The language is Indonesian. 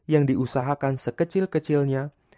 yang diusahakan sekecil kecilnya